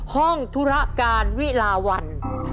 ห้องธุระการวิลาวัน